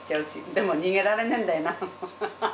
でも逃げられないんだよな。